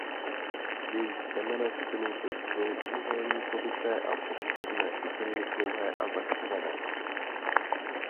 Jejich semenné šupiny jsou trojúhelníkovité a podpůrné šupiny dlouhé a zakřivené.